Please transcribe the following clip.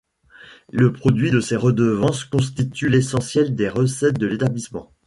Le produit de ces redevances constitue l’essentiel des recettes de l'établissement.